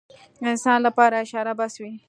انسان لپاره اشاره بس وي.